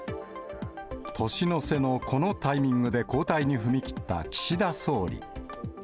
年の瀬のこのタイミングで交代に踏み切った岸田総理。